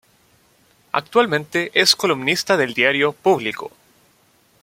Actualmente es columnista del diario "Público".